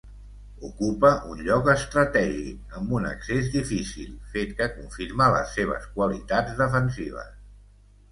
Ocupa un lloc estratègic, amb un accés difícil, fet que confirma les seves qualitats defensives.